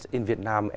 trong việt nam